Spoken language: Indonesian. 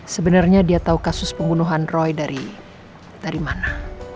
sebenarnya dia tahu kasus pembunuhan roy dari mana